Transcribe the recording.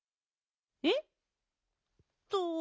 えっと